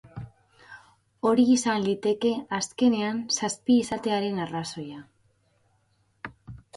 Hori izan liteke, azkenean, zazpi izatearen arrazoia.